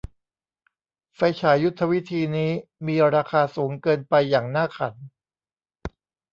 ไฟฉายยุทธวิธีนี้มีราคาสูงเกินไปอย่างน่าขัน